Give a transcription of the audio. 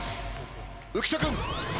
浮所君。